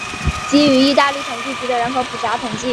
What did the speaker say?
基于意大利统计局的人口普查统计。